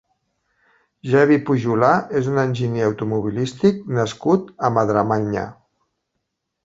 Xevi Pujolar és un enginyer automobilístic nascut a Madremanya.